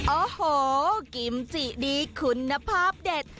โอ้โหกิมจิดีคุณภาพเด็ด